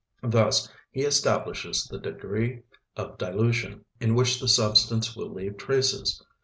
Thus he establishes the degree of dilution in which the substance will leave traces.